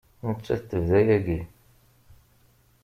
Nettat tebda yagi.